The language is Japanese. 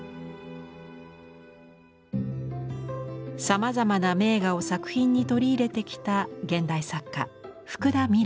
さまざまな名画を作品に取り入れてきた現代作家福田美蘭。